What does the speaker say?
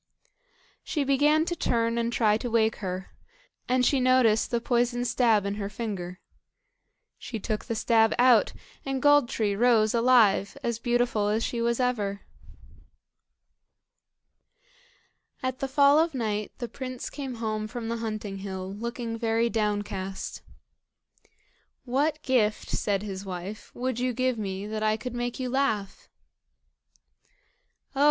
She began to turn and try to wake her, and she noticed the poisoned stab in her finger. She took the stab out, and Gold tree rose alive, as beautiful as she was ever. At the fall of night the prince came home from the hunting hill, looking very downcast. "What gift," said his wife, "would you give me that I could make you laugh?" "Oh!